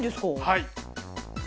はい。